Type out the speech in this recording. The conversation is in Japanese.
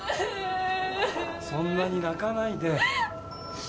そんなに泣かないで。